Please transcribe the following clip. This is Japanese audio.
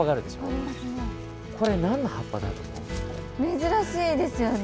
珍しいですね。